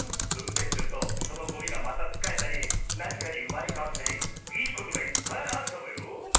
ぶんべつするとそのゴミがまたつかえたりなにかにうまれかわったりいいことがいっぱいあるサボよ。